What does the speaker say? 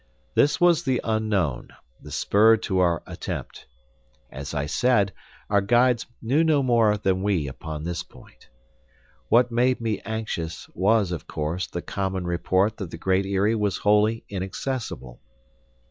This was the unknown, the spur to our attempt. As I said, our guides knew no more than we upon this point. What made me anxious, was, of course, the common report that the Great Eyrie was wholly inaccessible.